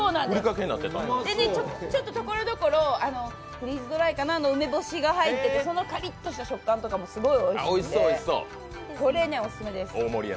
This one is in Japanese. ちょっと、ところどころ、フリーズドライの梅干しが入っててそのカリッとした食感とかもすごくおいしくて、おすすめです。